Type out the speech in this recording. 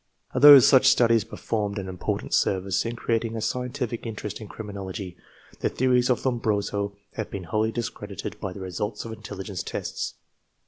Although such studies performed an important service in creating a scientific interest in criminology, the theories of Lombroso liave been wholly discredited by the results of intelligence tests.